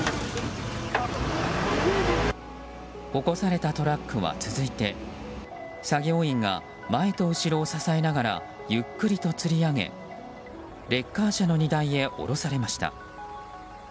起こされたトラックは続いて作業員が前と後ろを支えながらゆっくりとつり上げレッカー車の荷台へ降ろされました。